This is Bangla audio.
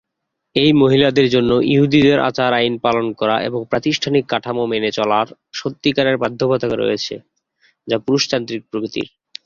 এই মহিলাদের জন্য, ইহুদিদের আচার আইন পালন করা এবং প্রাতিষ্ঠানিক কাঠামো মেনে চলার সত্যিকারের বাধ্যবাধকতা রয়েছে যা পুরুষতান্ত্রিক প্রকৃতির।